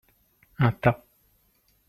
Un tas.